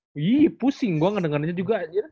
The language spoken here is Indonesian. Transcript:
wih pusing gue ngedengarnya juga aja